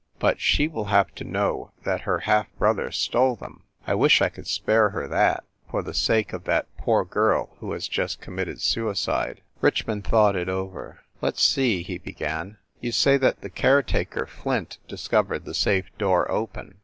But she will have to know that her half brother stole them. I wish I could spare her that, for the sake of that poor girl who has just committed suicide." Richmond thought it over. "Let s see," he be gan. "You say that the caretaker, Flint, discovered the safe door open.